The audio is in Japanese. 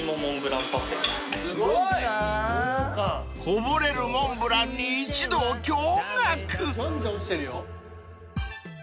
［こぼれるモンブランに一同驚愕］